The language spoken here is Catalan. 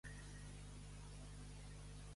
De quines formes hi aparegué allí?